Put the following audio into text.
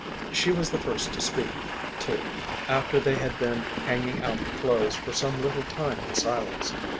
She was the first to speak, too, after they had been hanging out the clothes for some little time in silence.